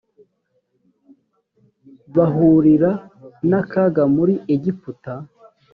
bahurira n akaga muri egiputa